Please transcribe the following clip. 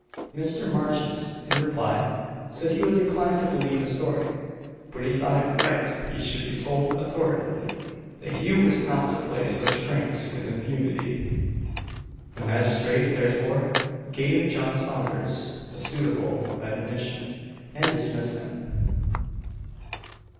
Mr. Marchant, in reply, said he was inclined to believe his story, but he thought it right he should be told authoritatively that he was not to play such pranks with impunity. The magistrate, therefore, gave John Saunders a suitable admonition, and dismissed him.